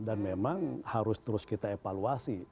dan memang harus terus kita evaluasi